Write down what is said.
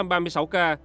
số ca tử vong